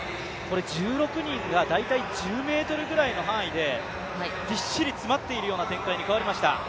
１６人が大体１０ｍぐらいの範囲でぎっしり詰まっているような展開に変わりました。